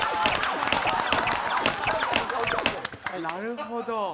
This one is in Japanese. なるほど。